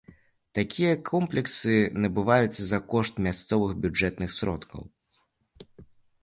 Такія комплексы набываюцца за кошт мясцовых бюджэтных сродкаў.